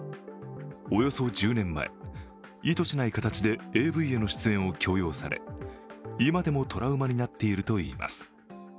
およそ１０年前、意図しない形でＡＶへの出演を強要され今でもトラウマになっているといいます。